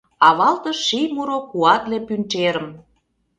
Авалтыш ший муро куатле пӱнчерым.